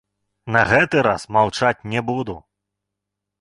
На гэты раз маўчаць не буду!